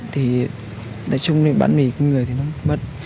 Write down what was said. thì tại chung bản mì của người thì nó mất